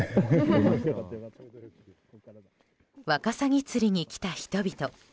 ワカサギ釣りに来た人々。